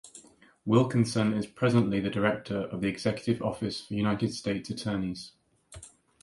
Wilkinson is presently the director of the Executive Office for United States Attorneys.